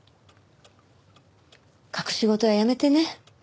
隠し事はやめてね。